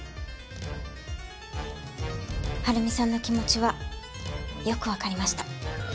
晴美さんの気持ちはよくわかりました。